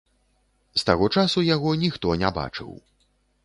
З таго часу яго ніхто не бачыў.